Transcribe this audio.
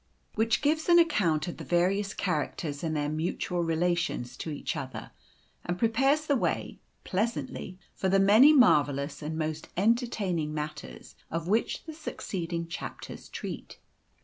WHICH GIVES AN ACCOUNT OF THE VARIOUS CHARACTERS, AND THEIR MUTUAL RELATIONS TO EACH OTHER, AND PREPARES THE WAY, PLEASANTLY, FOR THE MANY MARVELLOUS AND MOST ENTERTAINING MATTERS OF WHICH THE SUCCEEDING CHAPTERS TREAT.